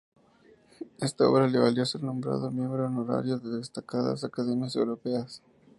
Esta obra le valió ser nombrado miembro honorario de destacadas academias europeas.